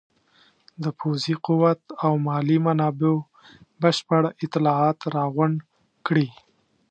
د پوځي قوت او مالي منابعو بشپړ اطلاعات راغونډ کړي.